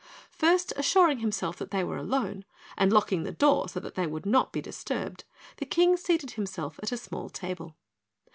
First assuring himself that they were alone and locking the door so they would not be disturbed, the King seated himself at a small table.